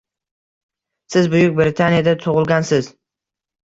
Siz Buyuk Britaniyada tugʻilgansiz.